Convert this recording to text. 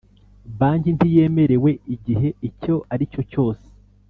Banki ntiyemerewe igihe icyo ari cyo cyose